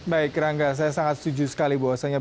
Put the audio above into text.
baik rangga saya sangat setuju sekali bahwasannya